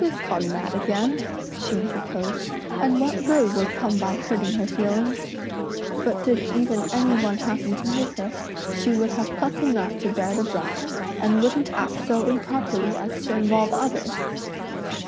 "Who's gone mad again?" she interposed, "and what good would come by hurting her feelings? But did even any one happen to hurt her, she would have pluck enough to bear the brunt, and wouldn't act so improperly as to involve others!"